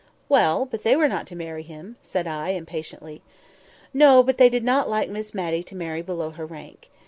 "Well! but they were not to marry him," said I, impatiently. "No; but they did not like Miss Matty to marry below her rank.